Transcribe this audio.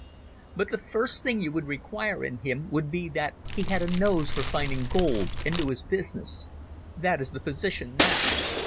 But the first thing you would require in him would be that he had a nose for finding gold and knew his business. That is the position now.